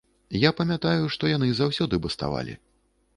Я памятаю, што яны заўсёды баставалі.